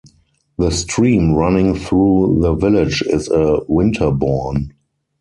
The stream running through the village is a winterbourne.